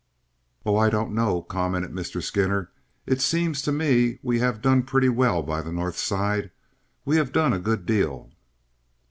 "Oh, I don't know," commented Mr. Skinner. "It seems to me we have done pretty well by the North Side. We have done a good deal."